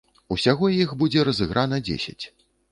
Усяго іх будзе разыграна дзесяць.